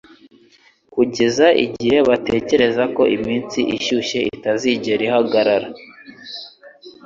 Kugeza igihe batekereza ko iminsi ishyushye itazigera ihagarara;